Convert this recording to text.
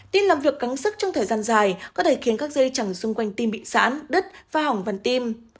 tim làm việc cắn sức trong thời gian dài có thể khiến các dây chẳng xung quanh tim bị sãn đứt và hỏng văn tim